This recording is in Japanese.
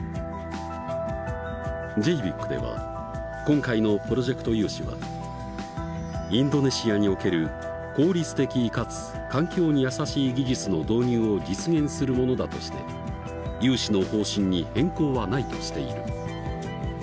ＪＢＩＣでは今回のプロジェクト融資はインドネシアにおける効率的かつ環境に優しい技術の導入を実現するものだとして融資の方針に変更はないとしている。